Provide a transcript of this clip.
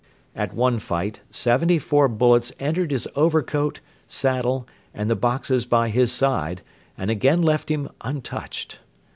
At one fight seventy four bullets entered his overcoat, saddle and the boxes by his side and again left him untouched.